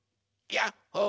ヤッホー。